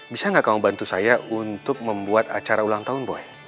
bisa gak kamu bantu saya untuk membuat acara ulang tahun boy